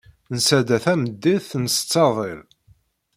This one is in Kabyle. Nesɛedda tameddit, nsett aḍil.